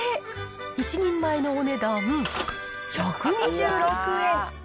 １人前のお値段１２６円。